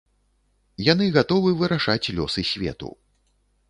Яны гатовы вырашаць лёсы свету.